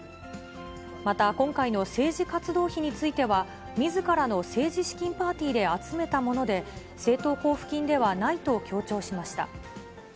また、今回の政治活動費については、みずからの政治資金パーティーで集めたもので、政党交付金ではないと強調しました。